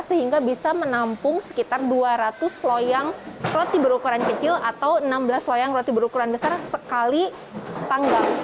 sehingga bisa menampung sekitar dua ratus loyang roti berukuran kecil atau enam belas loyang roti berukuran besar sekali panggang